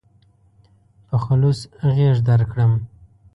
په خلوص غېږ درکړم.